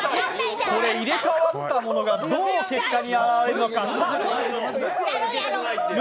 入れ代わったものがどう結果に表れるのか。